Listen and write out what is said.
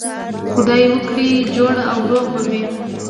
خدای وکړي جوړ او روغ به وئ.